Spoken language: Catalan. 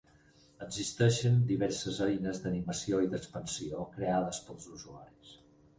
Existeixen diverses eines d'animació i d'expansió creades pels usuaris.